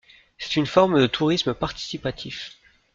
C'est une forme de tourisme participatif.